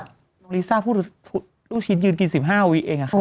คือน้องลีซ่าพูดลูกชิ้นยืนกินสิบห้าวิอิงอ่ะ